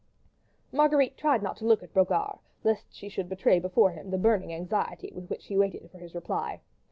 Marguerite tried not to look at Brogard, lest she should betray before him the burning anxiety with which she waited for his reply.